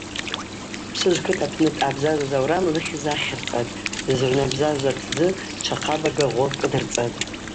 Псыжв кыт апны дъабзазуз аурам лыхьыз ахъарцӏатӏ, дзыгӏвнабзазуз атдзы чвахъабага гъвы кӏыдырцӏатӏ.